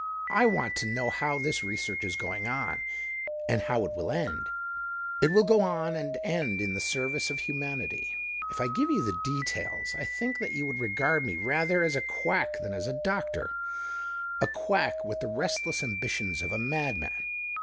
I want to know how this research is going on, and how it will end." " It will go on and end in the service of humanity. If I gave you the details, I think that you would regard me rather as a quack than as a doctor — a quack with the restless ambitions of a mad man.